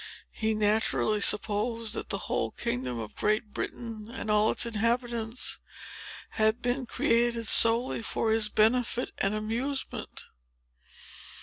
He naturally supposed that the whole kingdom of Great Britain and all its inhabitants, had been created solely for his benefit and amusement.